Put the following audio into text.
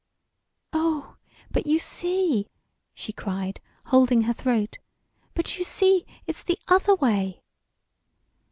"Oh, but you see," she cried, holding her throat, "but you see, it's the other way!"